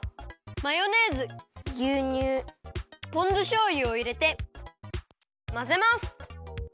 マヨネーズぎゅうにゅうポン酢しょうゆをいれてまぜます。